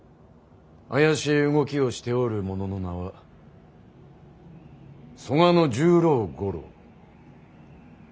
怪しい動きをしておる者の名は曽我十郎五郎。